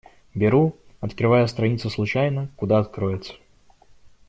Беру, открываю страницу случайно — куда откроется.